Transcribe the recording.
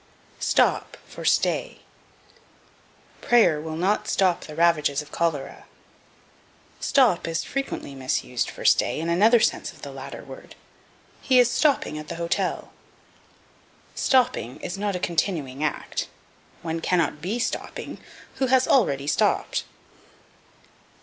Stop for Stay. "Prayer will not stop the ravages of cholera." Stop is frequently misused for stay in another sense of the latter word: "He is stopping at the hotel." Stopping is not a continuing act; one cannot be stopping who has already stopped.